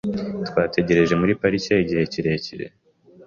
Twategereje muri parike igihe kirekire .